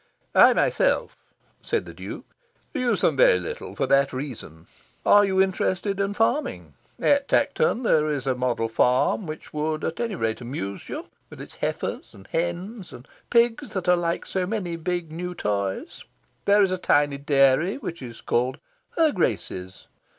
"I myself," said the Duke, "use them little for that very reason. Are you interested in farming? At Tankerton there is a model farm which would at any rate amuse you, with its heifers and hens and pigs that are like so many big new toys. There is a tiny dairy, which is called 'Her Grace's.